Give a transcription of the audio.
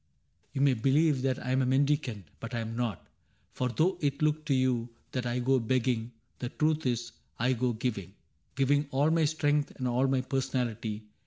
You may believe That I 'm a mendicant, but I am not : For though it look to you that I go begging. The truth is I go giving — giving all My strength and all my personality.